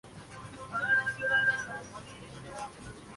Anderson Hospital en Houston, Texas.